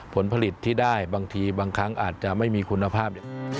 ผลผลิตที่ได้บางทีบางครั้งอาจจะไม่มีคุณภาพ